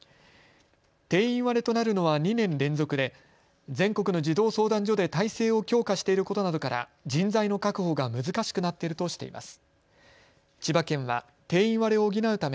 定員割れとなるのは２年連続で全国の児童相談所で体制を強化していることなどから人材の確保が難しくなっているとしています。